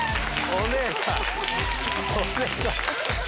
お姉さん！